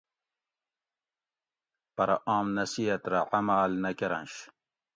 پرہ آم نصیئت رہ عمال نہ کرںش